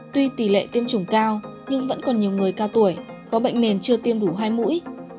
tuy tỷ lệ tiêm chủng cao nhưng vẫn còn nhiều người cao tuổi có bệnh nền chưa tiêm đủ hai mũi